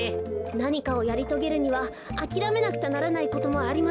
なにかをやりとげるにはあきらめなくちゃならないこともあります。